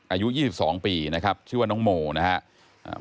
อายุ๒๒ปีนะครับชื่อว่าน้องโมนะครับ